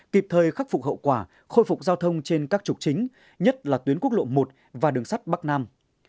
kịp thời khắc phục hậu quả khôi phục giao thông trên các trục chính nhất là tuyến quốc lộ một và đường sắt bắc nam